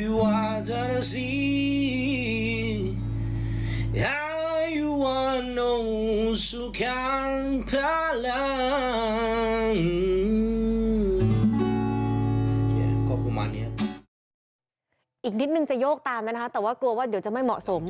อีกนิดนึงจะโยกตามนะคะแต่ว่ากลัวว่าเดี๋ยวจะไม่เหมาะสม